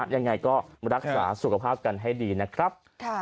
ยังไงก็รักษาสุขภาพกันให้ดีนะครับ